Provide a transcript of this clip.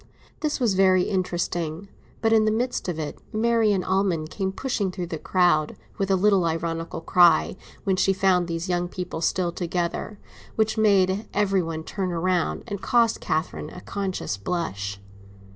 This was very interesting; but in the midst of it Marian Almond came pushing through the crowd, with a little ironical cry, when she found these young people still together, which made every one turn round, and cost Catherine a conscious blush.